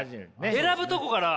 選ぶとこから。